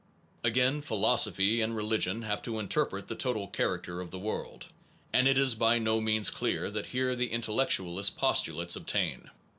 Again, Philosophy and Religion have to interpret the total character of the world, and it is by no means clear that here the intellectualist postulates obtain.